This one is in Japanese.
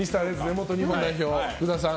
元日本代表、福田さん。